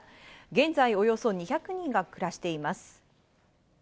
現在、およそ２００人が暮らしています。